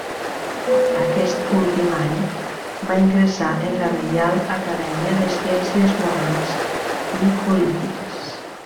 Aquest últim any va ingressar en la Reial Acadèmia de Ciències Morals i Polítiques.